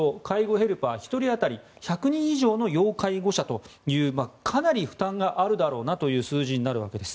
ヘルパー１人当たり１００人以上の要介護者というかなり負担があるだろうなという数字になるわけです。